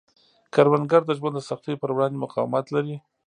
کروندګر د ژوند د سختیو پر وړاندې مقاومت لري